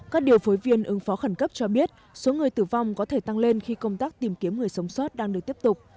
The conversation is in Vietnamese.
các điều phối viên ứng phó khẩn cấp cho biết số người tử vong có thể tăng lên khi công tác tìm kiếm người sống sót đang được tiếp tục